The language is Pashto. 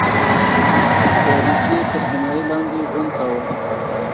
د روسیې تر حمایې لاندې ژوند کاوه.